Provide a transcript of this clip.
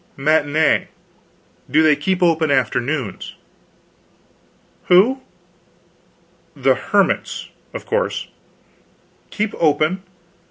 "Matinee. Do they keep open afternoons?" "Who?" "The hermits, of course." "Keep open?"